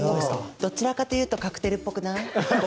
どちらかというとカクテルっぽくない？